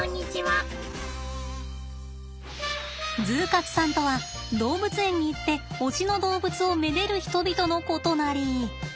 ＺＯＯ活さんとは動物園に行って推しの動物を愛でる人々のことなり。